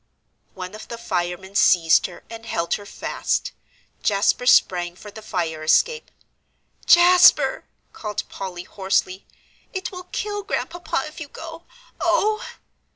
One of the firemen seized her and held her fast. Jasper sprang for the fire escape. "Jasper!" called Polly, hoarsely, "it will kill Grandpapa if you go oh!"